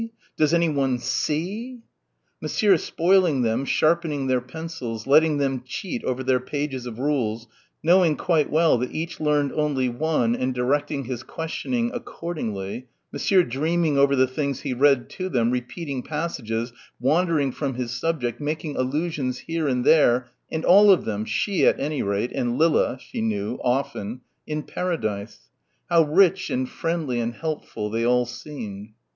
Does anyone see?" Monsieur, spoiling them, sharpening their pencils, letting them cheat over their pages of rules, knowing quite well that each learned only one and directing his questioning accordingly, Monsieur dreaming over the things he read to them, repeating passages, wandering from his subject, making allusions here and there and all of them, she, at any rate, and Lilla she knew, often in paradise. How rich and friendly and helpful they all seemed.